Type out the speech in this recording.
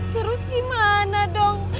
terus gimana dong